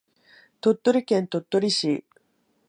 鳥取県鳥取市